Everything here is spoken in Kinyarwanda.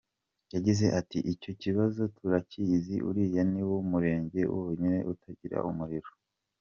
Yagize ati “Icyo kibazo turakizi, uriya ni wo murenge wonyine utagira umuriro.